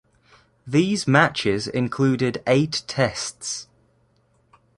These matches included eight Tests.